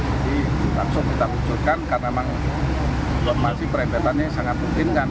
jadi langsung kita wujudkan karena memang masih perempetannya sangat mungkin kan